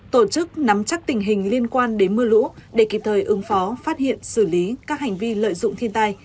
tổ chức nắm chắc tình hình liên quan đến mưa lũ để kịp thời ứng phó phát hiện xử lý các hành vi lợi dụng thiên tai